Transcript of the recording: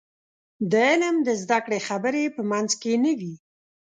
د علم د زده کړې خبرې په منځ کې نه وي.